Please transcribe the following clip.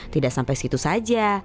tidak sampai situ saja